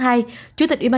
chủ tịch ubnd nói rằng